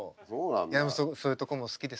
でもそういうとこも好きです。